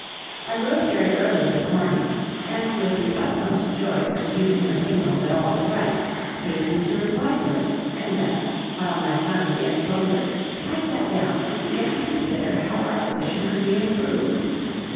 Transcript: I rose very early this morning, and with the utmost joy perceiving your signal that all was right, hastened to reply to it, and then, while my sons yet slumbered, I sat down and began to consider how our position could be improved.